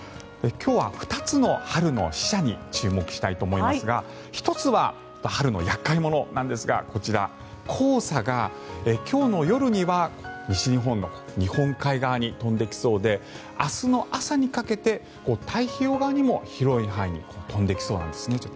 今日は、２つの春の使者に注目したいと思いますが１つは春の厄介者なんですが黄砂が今日の夜には西日本の日本海側に飛んできそうで明日の朝にかけて太平洋側にも広い範囲に飛んできそうなんですね。